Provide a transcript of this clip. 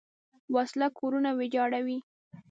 وسله کورونه ویجاړوي